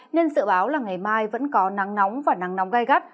nên sự báo là ngày mai vẫn có nắng nóng và nắng nóng gai gắt